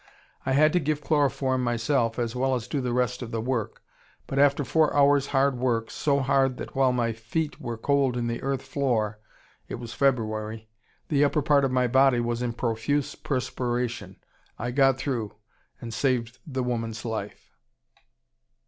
I had to give chloroform myself, as well as do the rest of the work. But after four hours' hard work, so hard that while my feet were cold on the earth floor (it was February), the upper part of my body was in profuse perspiration, I got through, and saved the woman's life.